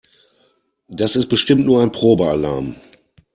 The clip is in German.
Das ist bestimmt nur ein Probealarm.